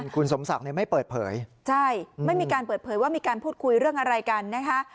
คุณสมศักดิ์ไม่เปิดเผยใช่ไม่มีการเปิดเผยว่ามีการพูดคุยเรื่องอะไรกันนะคะ